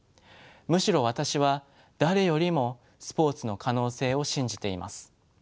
むしろ私は誰よりもスポーツの可能性を信じています。